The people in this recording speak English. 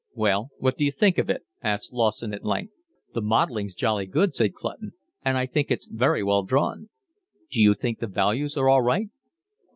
"Well, what d'you think of it?" asked Lawson at length. "The modelling's jolly good," said Clutton. "And I think it's very well drawn." "D'you think the values are all right?"